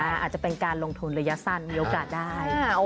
อาจจะเป็นการลงทุนระยะสั้นมีโอกาสได้